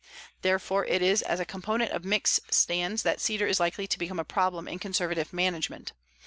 Therefore it is as a component of mixed stands that cedar is likely to become a problem in conservative management.